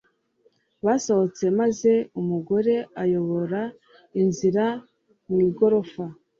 basohotse maze umugore ayobora inzira mu igorofa